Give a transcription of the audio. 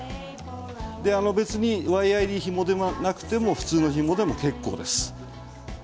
別にワイヤー入りのひもでなくても普通のひもでも結構です。